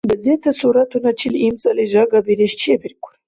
Газета суратуначил имцӀали жагабирес чебиркур.